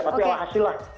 tapi alah hasil lah